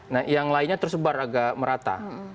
nah yang lainnya tersebar agak merata